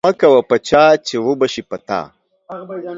مکوه په چا چی و به سی په تا